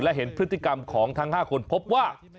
และเห็นพฤติกรรมของทั้ง๕คนพบว่า